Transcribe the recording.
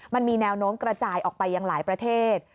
มันมีแนวโน้มกระจายออกไปยังหลายประเทศ